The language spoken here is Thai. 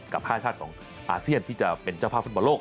กับ๕ชาติของอาเซียนที่จะเป็นเจ้าภาพฟุตบอลโลก